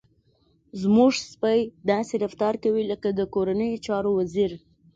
زموږ سپی داسې رفتار کوي لکه د کورنیو چارو وزير.